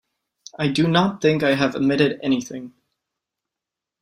I do not think I have omitted anything.